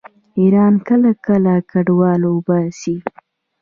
ایران کله کله کډوال وباسي.